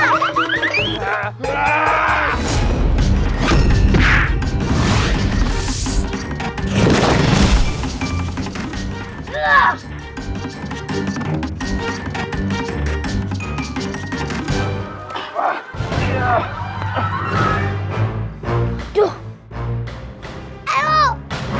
sekarang adalah hari kematianmu